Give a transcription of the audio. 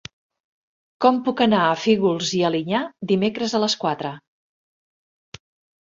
Com puc anar a Fígols i Alinyà dimecres a les quatre?